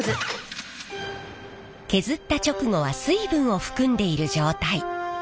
削った直後は水分を含んでいる状態。